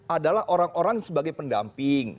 adalah orang orang sebagai pendamping